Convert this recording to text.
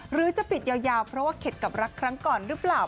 หรือจะปิดยาวเพราะว่าเข็ดกับรักครั้งก่อนหรือเปล่า